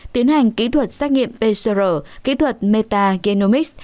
tiến hành kỹ thuật xác nghiệm pcr kỹ thuật metagenomics